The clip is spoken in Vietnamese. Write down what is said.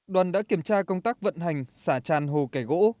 đoàn đã kiểm tra công tác vận hành xả tràn hồ kẻ gỗ